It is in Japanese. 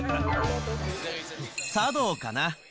茶道かな。